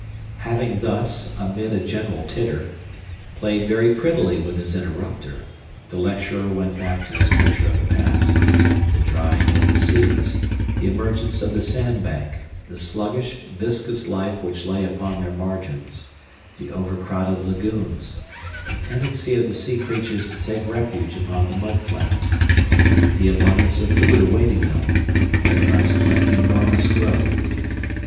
Having thus, amid a general titter, played very prettily with his interrupter, the lecturer went back to his picture of the past, the drying of the seas, the emergence of the sand bank, the sluggish, viscous life which lay upon their margins, the overcrowded lagoons, the tendency of the sea creatures to take refuge upon the mud flats, the abundance of food awaiting them, their consequent enormous growth.